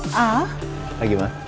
selamat pagi ma